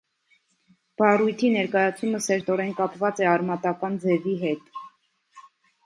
Բառույթի ներկայացումը սերտորեն կապված է արմատական ձևի հետ։